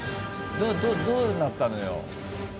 どどどうなったのよ？